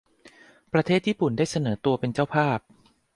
ประเทศญี่ปุ่นได้เสนอตัวเป็นเจ้าภาพ